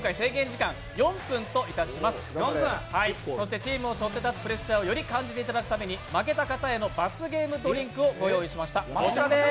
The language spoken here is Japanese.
チームをしょって立つプレッシャーをより感じていただくために負けた方への罰ゲームドリンクをご用意しました。